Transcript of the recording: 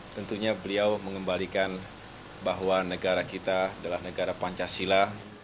tentunya beliau mengembalikan bahwa negara kita adalah negara pancasila